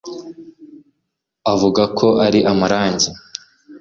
avuga ko ari amarangi